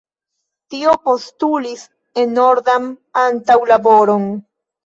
Tio postulis enorman antaŭlaboron.